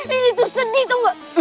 ini tuh sedih tuh gak